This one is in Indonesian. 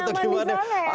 atau sudah nyaman di sana ya